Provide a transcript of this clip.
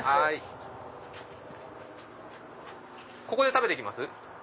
ここで食べて行きます？